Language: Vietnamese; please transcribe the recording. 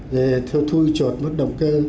rồi thu chột mất động cơ